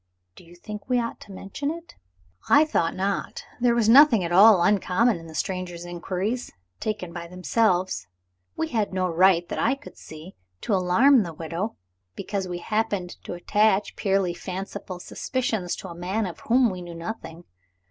"Do you think we ought to mention it?" I thought not. There was nothing at all uncommon in the stranger's inquiries, taken by themselves. We had no right, that I could see, to alarm the widow, because we happened to attach purely fanciful suspicions to a man of whom we knew nothing.